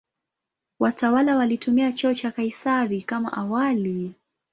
Watawala walitumia cheo cha "Kaisari" kama awali.